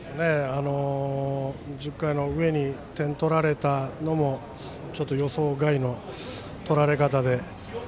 １０回の表に点を取られたのもちょっと予想外の取られ方で。